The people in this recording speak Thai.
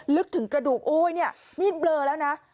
ลึกถึงกระดูกโอ้ยเนี่ยนี่เบลอแล้วนะ